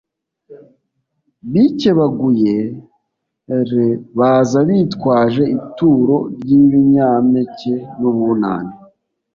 bikebaguye r baza bitwaje ituro ry ibinyampeke n ububani